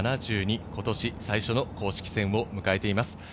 今年最初の公式戦を迎えています。